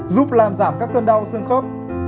giúp làm giảm các cơn đau xương khớp